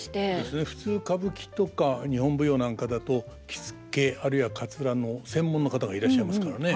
普通歌舞伎とか日本舞踊なんかだと着付けあるいはかつらの専門の方がいらっしゃいますからね。